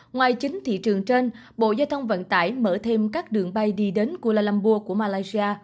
ngoài chính thị trường trên bộ giao thông vận tải mở thêm các đường bay đi đến kuala lumburg của malaysia